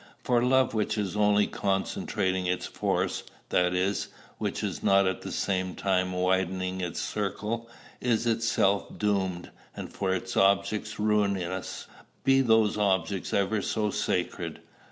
For love which is only concentrating its force, that is, which is not at the same time widening its circle, is itself doomed, and for its objects ruinous, be those objects ever so sacred.